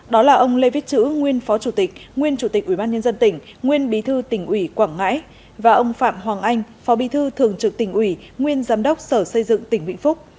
đó là ông lê viết chữ nguyên phó chủ tịch nguyên chủ tịch ubnd tỉnh nguyên bí thư tỉnh ủy quảng ngãi và ông phạm hoàng anh phó bí thư thường trực tỉnh ủy nguyên giám đốc sở xây dựng tỉnh vĩnh phúc